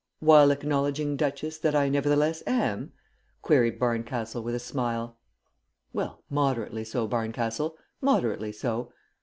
"While acknowledging, Duchess, that I nevertheless am?" queried Barncastle with a smile. "Well, moderately so, Barncastle, moderately so.